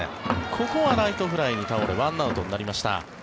ここはライトフライに倒れ１アウトになりました。